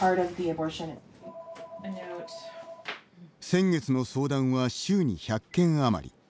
先月の相談は週に１００件余り。